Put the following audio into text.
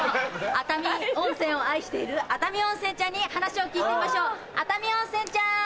熱海温泉を愛している熱海温泉ちゃんに話を聞いてみましょう熱海温泉ちゃん。